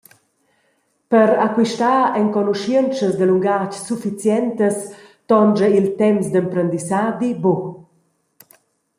Per acquistar enconuschientschas da lungatg sufficientas tonscha il temps d’emprendissadi buca.